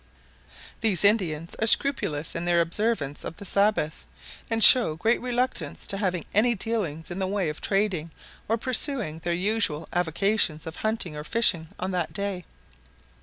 These Indians are scrupulous in their observance of the Sabbath, and show great reluctance to having any dealings in the way of trading or pursuing their usual avocations of hunting or fishing on that day.